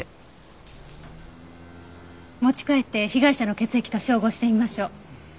持ち帰って被害者の血液と照合してみましょう。